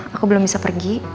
aku belum bisa pergi